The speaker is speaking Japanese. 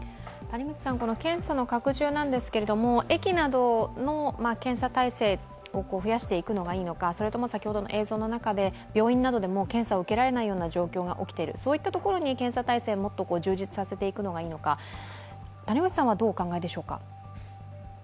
検査の拡充なんですが駅などの検査体制を増やしていくのがいいのか、それとも、先ほどの映像の中で病院の中で検査を受けられない状況が起きているそういったところに検査体制をもっと充実させていくのがいいのか、谷口さんはどうお考えでしょうか？